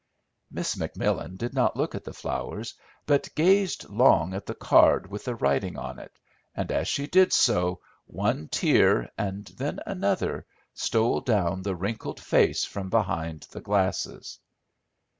Miss McMillan did not look at the flowers, but gazed long at the card with the writing on it, and as she did so one tear and then another stole down the wrinkled face from behind the glasses.